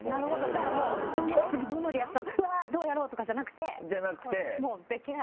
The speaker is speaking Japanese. じゃあもう次どのリアクション「うわぁどうやろう？」とかじゃなくてもうできない？